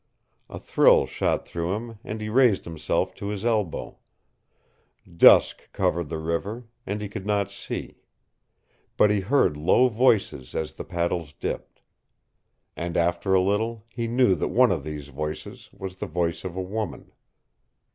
A thrill shot through him, and he raised himself to his elbow. Dusk covered the river, and he could not see. But he heard low voices as the paddles dipped. And after a little he knew that one of these was the voice of a woman.